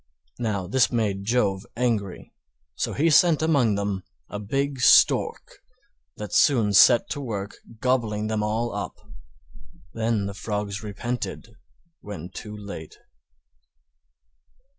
Now this made Jove angry, so he sent among them a big Stork that soon set to work gobbling them all up. Then the Frogs repented when too late.